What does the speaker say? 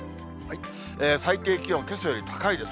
最低気温、けさより高いです。